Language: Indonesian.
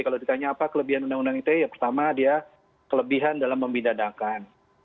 kalau ditanya apa kelebihan undang undang ite ya pertama dia kelebihan dalam membidanakan